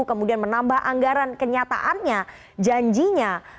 kemudian menambah anggaran kenyataannya janjinya